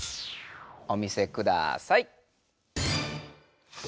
お見せください。